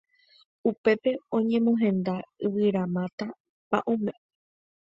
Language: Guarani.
Upépe oñemohenda yvyramáta pa'ũme